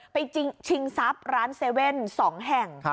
ไปชิงทรัพย์ร้านเซเว่นสองแห่ง